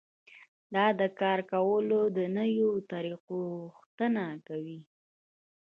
دا د کار کولو د نويو طريقو غوښتنه کوي.